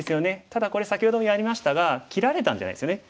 ただこれ先ほどもやりましたが切られたんじゃないんですよね。